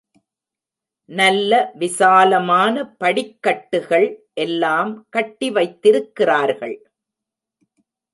நல்ல விசாலமான படிக்கட்டுகள் எல்லாம் கட்டி வைத்திருக்கிறார்கள்.